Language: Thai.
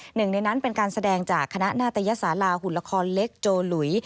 หนึ่งในนั้นเป็นการแสดงจากคณะนาตยสาราหุ่นละครเล็กโจหลุย